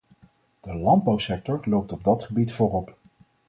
De landbouwsector loopt op dat gebied voorop.